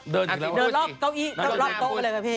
เดินรอบเก้าอีรอบโกะอะไรกันพี่